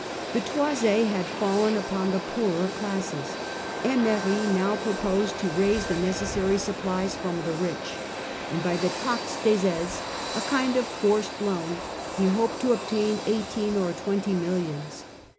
The toisi had fallen upon Taxeda P oorer classes; itmery now proposed to aisis. raise the necessary supplies from the rich, and by the iaxe des aisis, a kind of forced loan, he hoped to obtain eighteen or twenty millions.